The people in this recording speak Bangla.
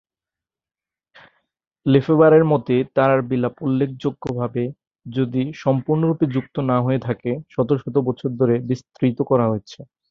লেফেবার-এর মতে, তারার বিলাপ উল্লেখযোগ্যভাবে, যদি সম্পূর্ণরূপে যুক্ত না হয়ে থাকে, শত শত বছর ধরে বিস্তৃত করা হয়েছে।